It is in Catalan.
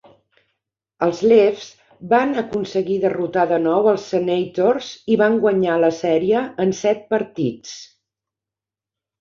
Els Leafs van aconseguir derrotar de nou als Senators i van guanyar la sèrie en set partits.